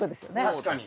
確かに。